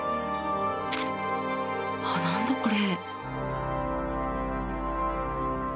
あっ何だこれ？